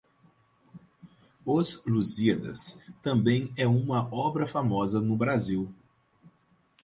Os Lusíadas também é uma obra famosa no Brasil